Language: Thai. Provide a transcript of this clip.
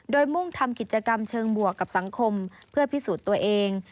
โดยมุ่งทำกิจกรรมเชิงบวกกับสังคมเพื่อพิสูจน์ตัวเอง